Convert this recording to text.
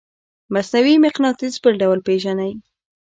مصنوعي مقناطیس بل ډول پیژنئ؟